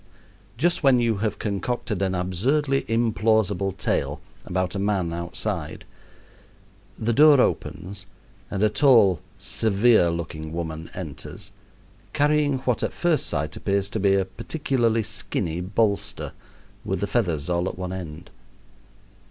Just when you have concocted an absurdly implausible tale about a man outside, the door opens, and a tall, severe looking woman enters, carrying what at first sight appears to be a particularly skinny bolster, with the feathers all at one end.